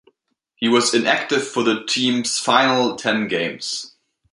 He was inactive for the team's final ten games.